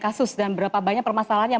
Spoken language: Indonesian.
kasus dan berapa banyak permasalahan yang